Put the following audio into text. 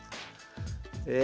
え？